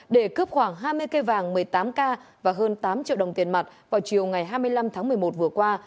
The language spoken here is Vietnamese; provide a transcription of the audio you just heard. để cướp khoảng hai mươi cây vàng một mươi tám k và hơn tám triệu đồng tiền mặt vào chiều ngày hai mươi năm tháng một mươi một vừa qua